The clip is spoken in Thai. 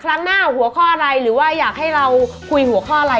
ครั้งหน้าหัวข้ออะไรหรือว่าอยากให้เราคุยหัวข้ออะไร